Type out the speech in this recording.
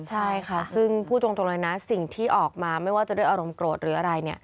ใช่ค่ะซึ่งพูดตรงเลยนะสิ่งที่ออกมาไม่ว่าจะด้วยอารมณ์โกรธหรืออะไร